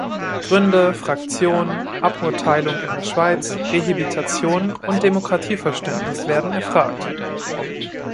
Gründe, Fraktionen, Aburteilung in der Schweiz, Rehabilitation und Demokratieverständnis werden erfragt.